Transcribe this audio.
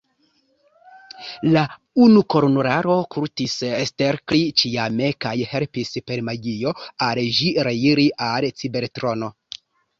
La unukornularo kultis Stelkri ĉiame, kaj helpis per magio al ĝi reiri al Cibertrono.